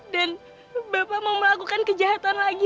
bapak mau melakukan kejahatan lagi